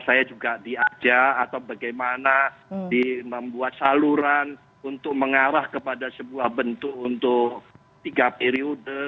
saya juga diajak atau bagaimana membuat saluran untuk mengarah kepada sebuah bentuk untuk tiga periode